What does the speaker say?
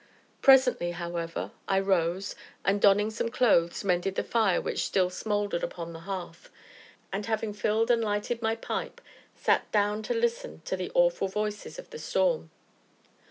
Presently, however, I rose, and, donning some clothes, mended the fire which still smouldered upon the hearth, and, having filled and lighted my pipe, sat down to listen to the awful voices of the storm.